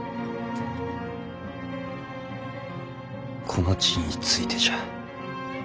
この地についてじゃ。